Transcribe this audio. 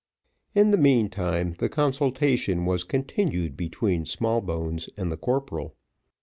In the meantime the consultation was continued between Smallbones and the corporal.